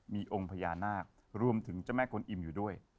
มีองค์พญานาครวมถึงเจ้าแม่กวนอิ่มอยู่ด้วย